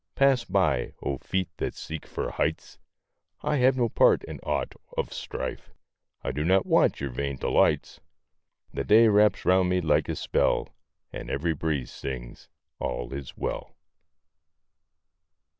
Pass by, oh, feet that seek for heights! I have no part in aught of strife; I do not want your vain delights. The day wraps round me like a spell, And every breeze sings, "All is well."